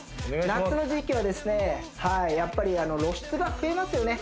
夏の時期はですねやっぱり露出が増えますよね